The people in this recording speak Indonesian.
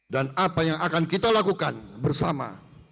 dan apa yang akan kita lakukan bersama